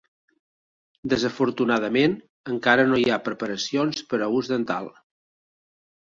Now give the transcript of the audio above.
Desafortunadament, encara no hi ha preparacions per a ús dental.